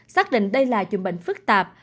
xác định đây là dụng bệnh phức tạp